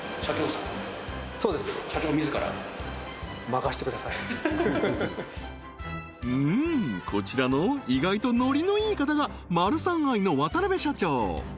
そうですうんこちらの意外とノリのいい方がマルサンアイの渡辺社長